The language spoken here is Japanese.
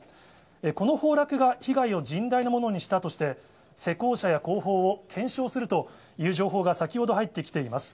この崩落が被害を甚大なものにしたとして、施工者や工法を検証するという情報が、先ほど入ってきています。